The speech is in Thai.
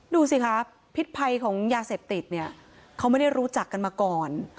ดูสิคะพิษภัยของยาเสพติดเนี่ยเขาไม่ได้รู้จักกันมาก่อน